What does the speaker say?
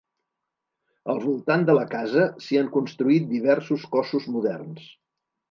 Al voltant de la casa s'hi han construït diversos cossos moderns.